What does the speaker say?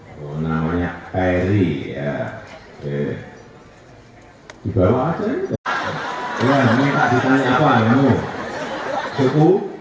hai oh namanya airi ya oke di bawah cek